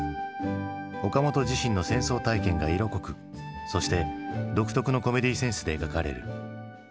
岡本自身の戦争体験が色濃くそして独特のコメディーセンスで描かれる。